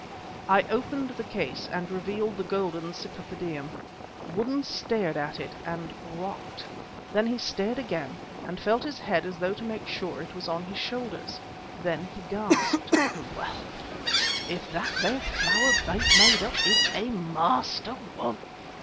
I opened the case and revealed the golden Cypripedium. Woodden stared at it and rocked. Then he stared again and felt his head as though to make sure it was on his shoulders. Then he gasped. "Well, if that there flower baint made up, it's a MASTER ONE!